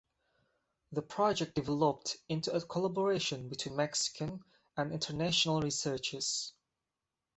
The project developed into a collaboration between Mexican and international researchers.